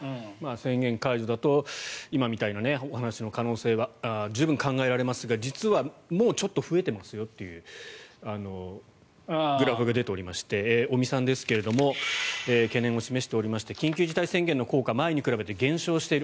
宣言解除だと今みたいなお話の可能性は十分考えられますが実はもうちょっと増えていますよというグラフが出ておりまして尾身さんですけども懸念を示しておりまして緊急事態宣言の効果前に比べて減少している。